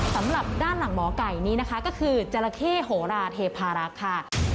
สำหรับด้านหลังหมอไก่นี้นะคะก็คือจราเข้โหราเทพารักษ์ค่ะ